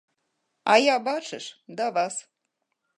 А я, бачыш, да вас.